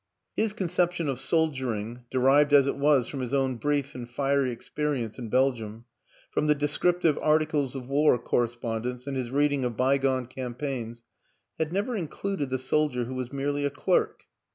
His conception of soldiering, derived as it was from his own brief and fiery experience in Bel gium, from the descriptive articles of war cor respondents and his reading of bygone campaigns, had never included the soldier who was merely a clerk.